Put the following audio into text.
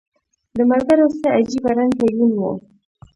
د ملګرو څه عجیبه رنګه یون و